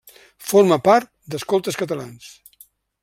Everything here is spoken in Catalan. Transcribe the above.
Forma part d'Escoltes Catalans.